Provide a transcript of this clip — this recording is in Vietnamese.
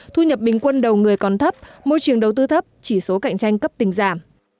thu nhập bình quân đầu người còn thấp môi trường đầu tư thấp chỉ số cạnh tranh cấp tình giảm